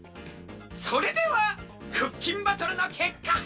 それではクッキンバトルのけっかはっぴょう！